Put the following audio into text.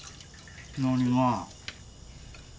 何が？